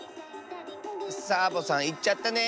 サボさんいっちゃったね。